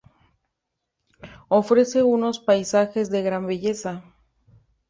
Ofrece unos paisajes de gran belleza.